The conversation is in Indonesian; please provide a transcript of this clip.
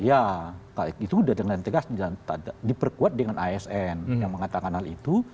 ya itu sudah dengan tegas diperkuat dengan asn yang mengatakan hal itu